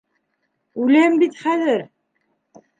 Үләм бит хәҙер!